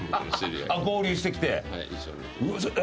合流してきて。